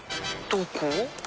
どこ？